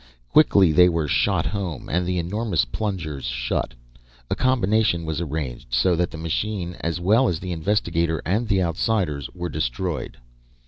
Quickly they were shot home, and the enormous plungers shut. A combination was arranged so that the machine, as well as the investigator and the Outsiders, were destroyed.